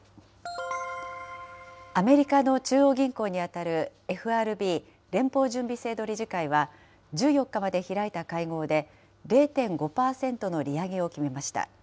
アメリカの中央銀行に当たるＦＲＢ・連邦準備制度理事会は、１４日まで開いた会合で、０．５％の利上げを決めました。